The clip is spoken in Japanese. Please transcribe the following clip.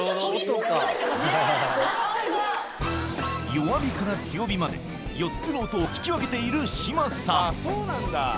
弱火から強火まで４つの音を聞き分けている志麻さん